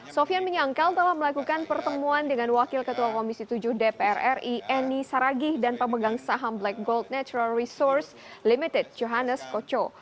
sofian menyangkal telah melakukan pertemuan dengan wakil ketua komisi tujuh dpr ri eni saragih dan pemegang saham black gold natural resource limited johannes koco